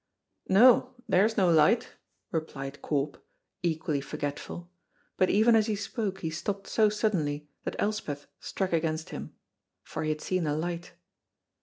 "No, there's no light," replied Corp, equally forgetful, but even as he spoke he stopped so suddenly that Elspeth struck against him. For he had seen a light.